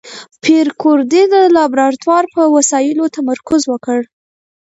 پېیر کوري د لابراتوار په وسایلو تمرکز وکړ.